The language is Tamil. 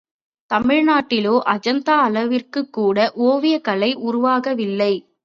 தமிழ்நாட்டிலோ அஜந்தா அளவிற்குக்கூட ஓவியக் கலை உருவாகவில்லை.